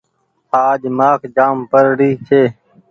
آج مآک جآم پڙري ڇي۔